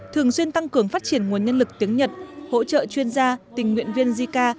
thường xuyên tăng cường phát triển nguồn nhân lực tiếng nhật hỗ trợ chuyên gia tình nguyện viên zika